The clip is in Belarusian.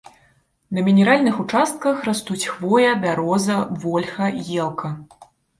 На мінеральных участках растуць хвоя, бяроза, вольха, елка.